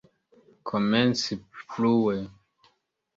Komenci frue!